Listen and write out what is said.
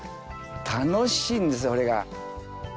楽しいんですよそれが。